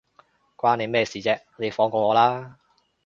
關你咩事啫，你放過我啦